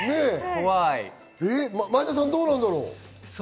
前田さん、どうなんだろう？